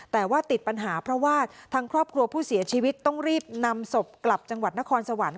แต่ว่าติดปัญหาเพราะว่าทางครอบครัวผู้เสียชีวิตต้องรีบนำศพกลับจังหวัดนครสวรรค์